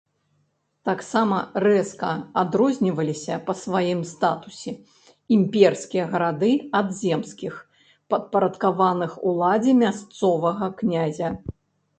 Таксама рэзка адрозніваліся па сваім статусе імперскія гарады ад земскіх, падпарадкаваных уладзе мясцовага князя.